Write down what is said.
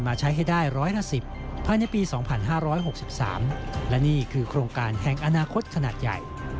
ใช้ให้ได้ร้อยละ๑๐ภายในปี๒๕๖๓และนี่คือโครงการแห่งอนาคตขนาดใหญ่